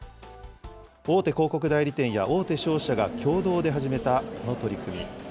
大手広告代理店や大手商社が共同で始めたこの取り組み。